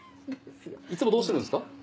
いつもどうしてるんですか？